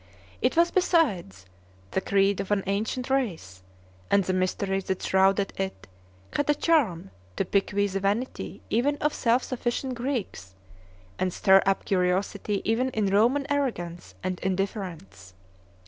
It was, besides, the creed of an ancient race; and the mystery that shrouded it had a charm to pique the vanity even of self sufficient Greeks, and stir up curiosity even in Roman arrogance and indifference.